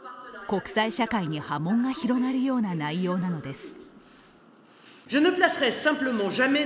国際社会に波紋が広がるような内容なのです。